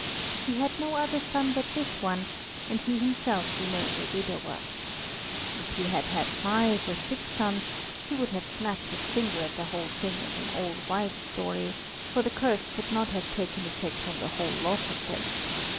He had no other son but this one, and he himself remained a widower. If he had had five or six sons he would have snapped his fingers at the whole thing as an old wife's story, for the curse could not have taken effect on the whole lot of them.